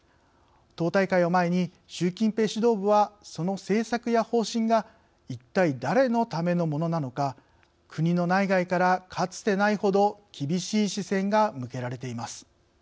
党大会を前に、習近平指導部はその政策や方針が一体、誰のためのものなのか国の内外からかつてないほど厳しい視線が向けられています。